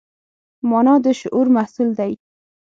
مانا د شعور محصول دی.